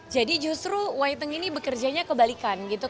jadi justru whitening ini bekerjanya kebalikan gitu